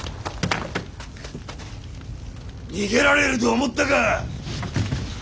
逃げられると思ったか！